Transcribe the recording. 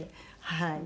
はい。